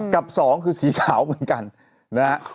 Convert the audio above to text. กับสองคือสีขาวกันกันนะครับ